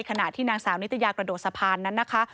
ขณะที่นางสาวนิตยากระโดดสะพานนั้นนะคะ